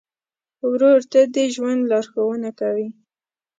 ورور ته د ژوند لارښوونه کوې.